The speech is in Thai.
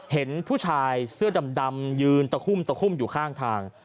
เห็นผู้ชายเสื้อดำยืนตะคุ่มตะคุ่มอยู่ข้างทาง